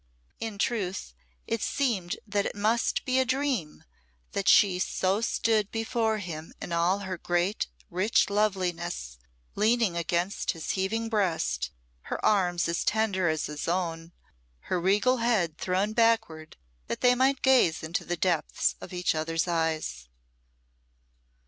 In truth, it seemed that it must be a dream that she so stood before him in all her great, rich loveliness, leaning against his heaving breast, her arms as tender as his own, her regal head thrown backward that they might gaze into the depths of each other's eyes.